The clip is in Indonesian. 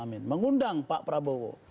mengundang pak prabowo